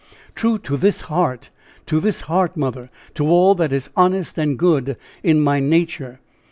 "True to this heart to this heart, mother! to all that is honest and good in my nature."